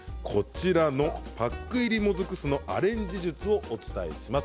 パック入りもずく酢のアレンジ術をお伝えします。